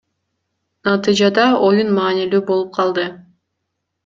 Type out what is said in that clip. Натыйжада оюн маанилүү болуп калды.